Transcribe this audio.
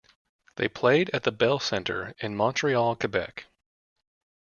They played at the Bell Centre in Montreal, Quebec.